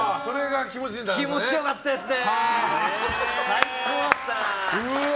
気持ちよかったですね。